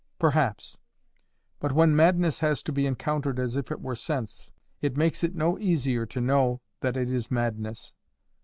"Perhaps. But when madness has to be encountered as if it were sense, it makes it no easier to know that it is madness."